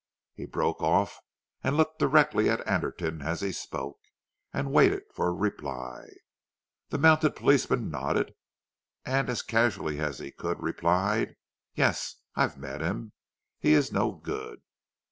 He broke off and looked directly at Anderton as he spoke, and waited for a reply. The mounted policeman nodded, and as casually as he could replied: "Yes, I have met him. He is no good."